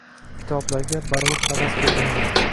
Kitoblarga barvaqt havas qo’ygan edim.